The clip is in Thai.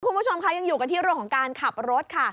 คุณผู้ชมคะยังอยู่กันที่เรื่องของการขับรถค่ะ